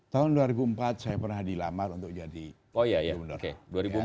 tahun dua ribu empat saya pernah dilamar untuk jadi gubernur